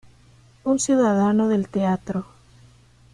Un ciudadano del Teatro.